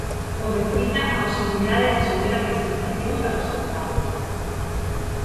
Co Benfica a posibilidade de resolver a clasificación para os oitavos.